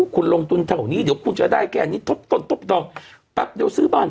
คุณลงทุนเท่านี้เดี๋ยวคุณจะได้แค่นี้ทบต้นทบดองแป๊บเดียวซื้อบ้าน